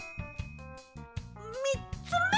みっつめ。